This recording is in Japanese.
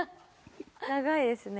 長いですね。